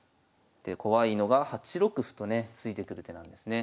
怖いのが８六歩とね突いてくる手なんですね。